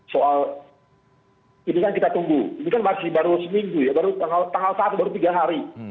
soal ini kan kita tunggu ini kan masih baru seminggu ya baru tanggal satu baru tiga hari